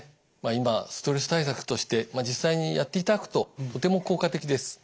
今ストレス対策として実際にやっていただくととても効果的です。